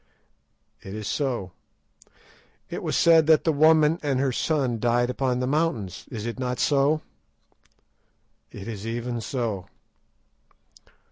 "It is so." "It was said that the woman and her son died upon the mountains. Is it not so?" "It is even so."